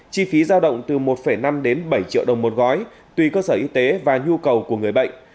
chi phí giao động từ một năm đến bảy triệu đồng một gói tùy cơ sở y tế và nhu cầu của người bệnh